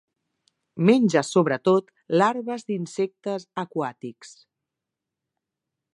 Menja sobretot larves d'insectes aquàtics.